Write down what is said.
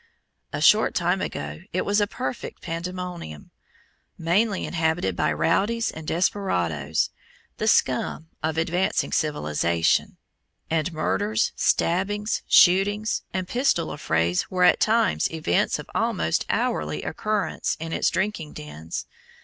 A short time ago it was a perfect pandemonium, mainly inhabited by rowdies and desperadoes, the scum of advancing civilization; and murders, stabbings, shooting, and pistol affrays were at times events of almost hourly occurrence in its drinking dens.